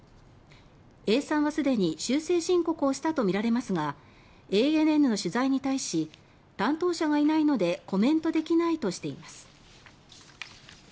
永山はすでに修正申告をしたとみられますがＡＮＮの取材に対し担当者がいないのでコメントできないとしています。